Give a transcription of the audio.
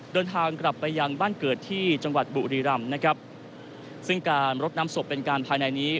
เดินทางกลับไปยังบ้านเกิดที่จังหวัดบุรีรำนะครับซึ่งการรดน้ำศพเป็นการภายในนี้